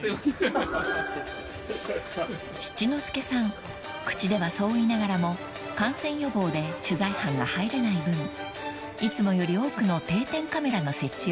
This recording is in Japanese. ［七之助さん口ではそう言いながらも感染予防で取材班が入れない分いつもより多くの定点カメラの設置を許してくれました］